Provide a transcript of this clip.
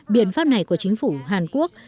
biện pháp này của chính phủ hàn quốc